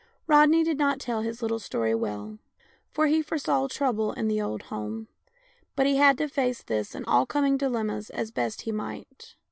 Rodney did not tell his little story well, for he foresaw trouble in the old home ; but he had to face this and all coming dilemmas as best he might.